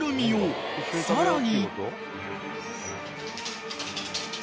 ［さらに］